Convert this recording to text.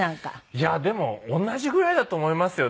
いやでも同じぐらいだと思いますよ。